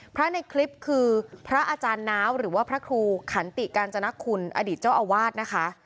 ในคลิปคือพระอาจารย์น้าวหรือว่าพระครูขันติกาญจนคุณอดีตเจ้าอาวาสนะคะ